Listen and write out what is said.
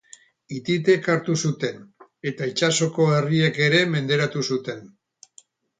Hititek hartu zuten, eta itsasoko herriek ere menderatu zuten.